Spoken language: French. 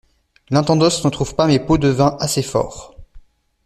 L'intendance ne trouve pas mes pots-de-vin assez forts.